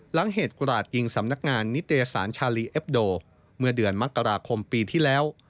หลังเหตุกราดยิงสำนักงานนิตยสารชาลีเอ็บโดเมื่อเดือนมกราคมปีที่แล้ว